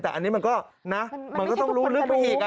แต่อันนี้มันก็นะมันก็ต้องรู้ลึกไปอีก